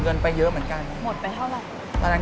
หมดไปเท่าไร